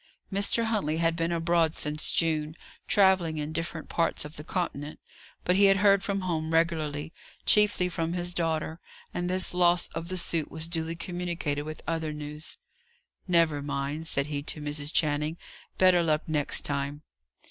Mr. Huntley had been abroad since June, travelling in different parts of the Continent; but he had heard from home regularly, chiefly from his daughter, and this loss of the suit was duly communicated with other news. "Never mind," said he to Mrs. Channing. "Better luck next time."